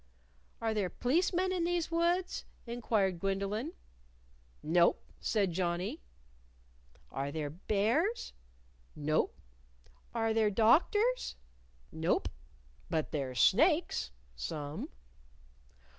"Are there p'liceman in these woods?" inquired Gwendolyn. "Nope," said Johnnie. "Are there bears?" "Nope." "Are there doctors?" "Nope. But there's snakes some."